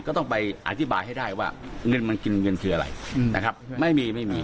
ก็ต้องไปอธิบายให้ได้ว่าเงินมันกินเงินคืออะไรนะครับไม่มีไม่มี